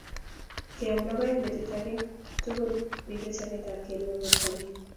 Keam logoek petut age tugul ko ripei chametapkei nebo portongung